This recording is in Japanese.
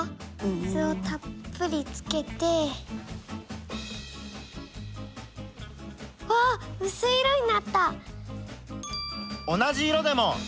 水をたっぷりつけて。わうすい色になった！